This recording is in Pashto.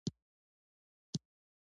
ښایست د ښکلي سوچ رنګ دی